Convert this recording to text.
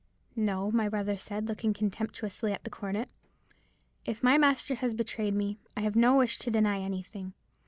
"'No,' my brother said, looking contemptuously at the cornet. 'If my master has betrayed me, I have no wish to deny anything.